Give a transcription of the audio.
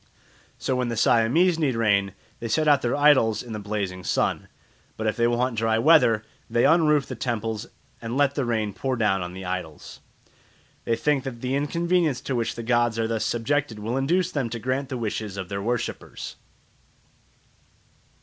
So when the Siamese need rain, they set out their idols in the blazing sun; but if they want dry weather, they unroof the temples and let the rain pour down on the idols. They think that the inconvenience to which the gods are thus subjected will induce them to grant the wishes of their worshippers.